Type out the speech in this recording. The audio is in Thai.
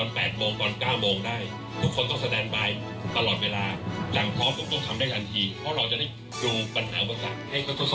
โปรดติดตามต่อไป